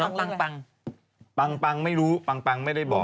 น้องปังไม่รู้ปังปังไม่ได้บอก